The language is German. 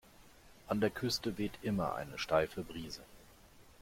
An der Küste weht immer eine steife Brise.